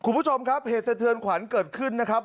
คุณผู้ชมครับเหตุสะเทือนขวัญเกิดขึ้นนะครับ